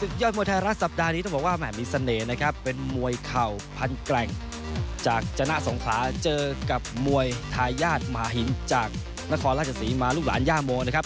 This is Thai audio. ศึกยอดมวยไทยรัฐสัปดาห์นี้ต้องบอกว่าแหม่มีเสน่ห์นะครับเป็นมวยเข่าพันแกร่งจากจนะสงขลาเจอกับมวยทายาทมหาหินจากนครราชศรีมาลูกหลานย่าโมนะครับ